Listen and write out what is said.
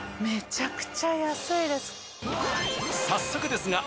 めちゃくちゃ安いです。